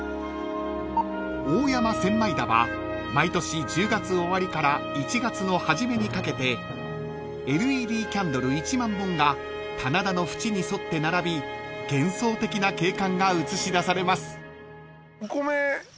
［大山千枚田は毎年１０月終わりから１月の初めにかけてＬＥＤキャンドル１万本が棚田の縁に沿って並び幻想的な景観が映し出されます］